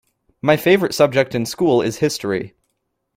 My favorite subject in school is history.